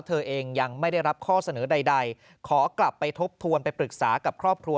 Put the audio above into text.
เธอเองยังไม่ได้รับข้อเสนอใดขอกลับไปทบทวนไปปรึกษากับครอบครัว